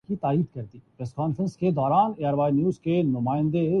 اپنی طرف توجہ مبذول کروانا پسند نہیں کرتا